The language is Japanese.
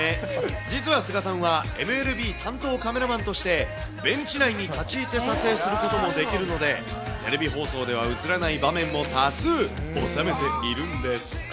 実は菅さんは、ＭＬＢ担当カメラマンとしてベンチ内に立ち入って撮影することもできるので、テレビ放送では映らない場面も多数、収めているんです。